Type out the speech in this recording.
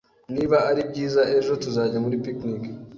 Niba ari byiza ejo, tuzajya muri picnic